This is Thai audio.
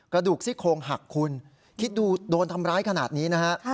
กระดูกซี่โคงหักคุณคิดดูโดนทำร้ายขนาดนี้นะฮะ